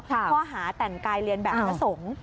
ข้อหาแต่งกายเรียนแบบพระสงฆ์